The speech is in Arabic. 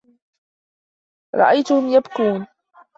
رأيتهم يبكون.